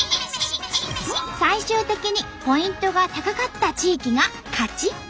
最終的にポイントが高かった地域が勝ち。